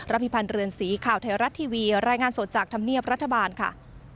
พิพันธ์เรือนสีข่าวไทยรัฐทีวีรายงานสดจากธรรมเนียบรัฐบาลค่ะ